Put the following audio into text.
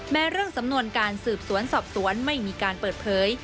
เรื่องสำนวนการสืบสวนสอบสวนไม่มีการเปิดเผย